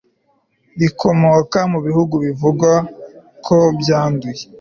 rikomoka mu bihugu bivugwa ko byanduye